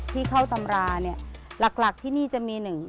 ที่เข้าตำราเนี่ยหลักที่นี่จะมีหนึ่ง